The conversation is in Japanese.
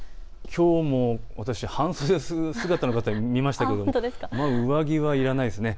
きょうも私、半袖姿の方、見ましたけど上着はいらないですね。